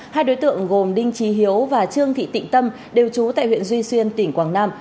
hai đối tượng gồm đinh trí hiếu và trương thị tịnh tâm đều trú tại huyện duy xuyên tỉnh quảng nam